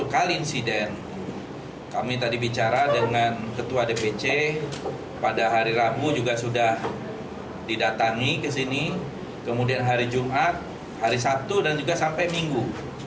kami tadi bicara dengan ketua dpc pada hari rabu juga sudah didatangi ke sini kemudian hari jumat hari sabtu dan juga sampai minggu